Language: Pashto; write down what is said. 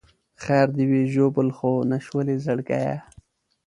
خیر دې وي ژوبل خو نه شولې زړګیه.